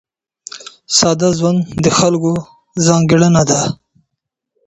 ساده ژوند د خلکو ځانګړنه ده.